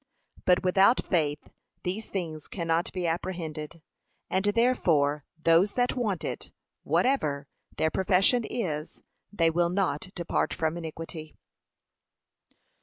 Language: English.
But without faith these things cannot be apprehended, and therefore those that want it, whatever; their profession is, they will not depart from iniquity.